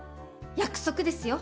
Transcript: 約束ですよ！